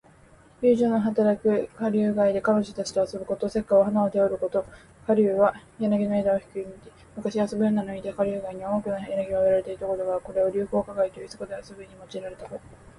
遊女の働く花柳街で、彼女たちと遊ぶこと。「折花」は花を手折ること、「攀柳」は柳の枝を引く意。昔、遊び女のいた花柳街には多くの柳が植えられていたことから、これを柳巷花街といい、そこで遊ぶ意に用いられた語。